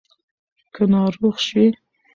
که ناروغ شوې